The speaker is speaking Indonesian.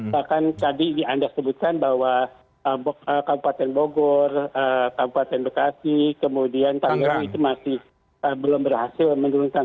bahkan tadi anda sebutkan bahwa kabupaten bogor kabupaten bekasi kemudian tangerang itu masih belum berhasil menurunkan